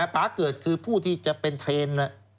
ป๊าเกิดคือผู้ที่จะเป็นเทรนด์